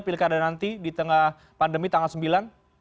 pilih keadaan nanti di tengah pandemi tanggal sembilan